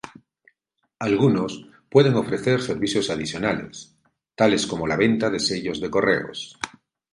Algunos pueden ofrecer servicios adicionales, tales como la venta de sellos de correos.